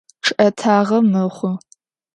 Чъыӏэтагъэ мэхъу.